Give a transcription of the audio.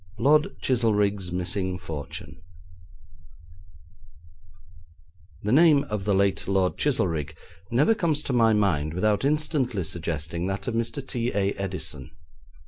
Lord Chizelrigg's Missing Fortune The name of the late Lord Chizelrigg never comes to my mind without instantly suggesting that of Mr. T.A. Edison.